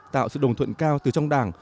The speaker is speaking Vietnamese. tạo sự đồng thuận cao từ trong đảng